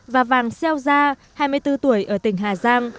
và vàng xeo gia hai mươi bốn tuổi ở tỉnh hà giang